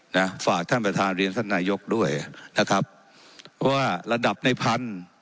นะฝากท่านประธานเรียนท่านนายกด้วยนะครับว่าระดับในพัน